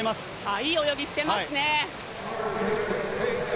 いい泳ぎしてますね。